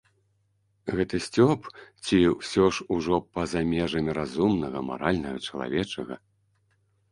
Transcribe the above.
Гэта сцёб ці ўсё ж ужо па-за межамі разумнага, маральнага, чалавечага?